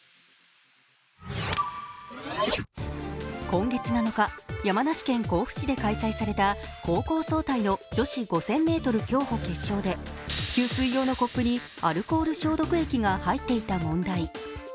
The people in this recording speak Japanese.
今月７日、山梨県甲府市で開催された高校総体の女子５０００ｍ競歩決勝で給水用のコップにアルコール消毒液が入っていた問題。